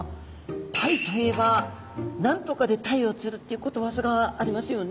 タイといえば「何とかで鯛を釣る」っていうことわざがありますよね。